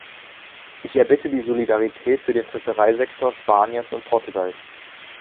Ich erbitte die Solidarität für den Fischereisektor Spaniens und Portugals.